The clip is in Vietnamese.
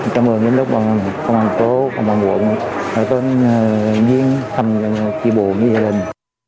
chúc chúc quận và thành phố công an quận có thể tham gia trị buồn với gia đình